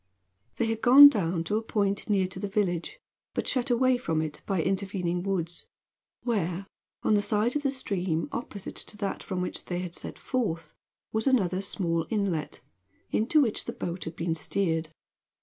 They had gone down to a point near to the village, but shut away from it by intervening woods, where, on the side of the stream opposite to that from which they had set forth, was another small inlet, into which the boat had been steered.